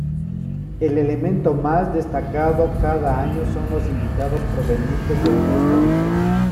El elemento más destacado cada año son los invitados provenientes de otros países.